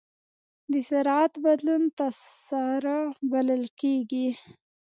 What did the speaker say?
د سرعت بدلون تسارع بلل کېږي.